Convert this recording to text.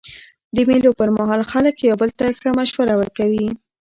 د مېلو پر مهال خلک یو بل ته ښه مشورې ورکوي.